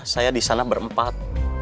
saya disana berempat